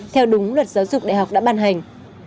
theo đúng luật giáo dục đại học đã ban hành